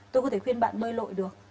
tôi có thể khuyên bạn bơi lội được